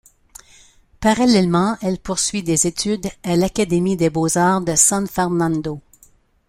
Parallèlement elle poursuit des études à l’académie des Beaux Arts de San Fernando.